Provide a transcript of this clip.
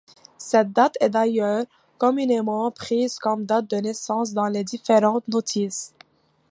Cette date est d'ailleurs communément prise comme date de naissance dans les différentes notices.